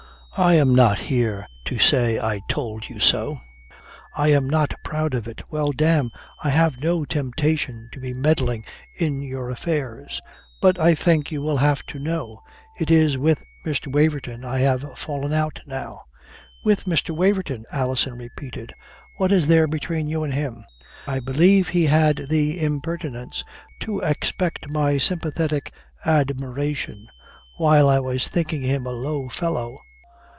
"I am not here to say, 'I told you so,' I am not so proud of it. Well, damme, I have no temptation to be meddling in your affairs. But I think you will have to know. It is with Mr. Waverton I have fallen out now." "With Mr. Waverton?" Alison repeated. "What is there between you and him?" "I believe he had the impertinence to expect my sympathetic admiration. While I was thinking him a low fellow.